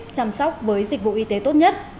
chăm sóc với dịch vụ y tế tốt nhất